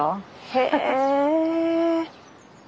へえ。